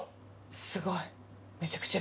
すごい。